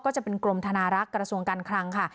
ก็จะเป็นกรมธนารักษ์กระทรวงการคลังค่ะ